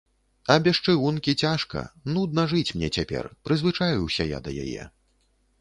А без чыгункі цяжка, нудна жыць мне цяпер, прызвычаіўся я да яе.